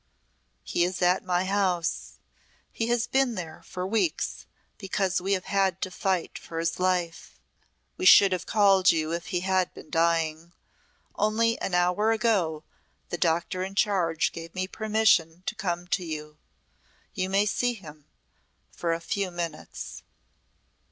"He is at my house. He has been there for weeks because we have had to fight for his life. We should have called you if he had been dying. Only an hour ago the doctor in charge gave me permission to come to you. You may see him for a few minutes."